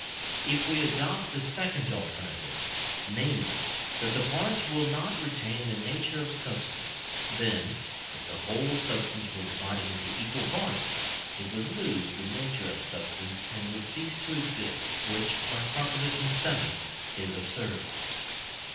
If we adopt the second alternative namely, that the parts will not retain the nature of substance then, if the whole substance were divided into equal parts, it would lose the nature of substance, and would cease to exist, which (by Prop. vii.) is absurd.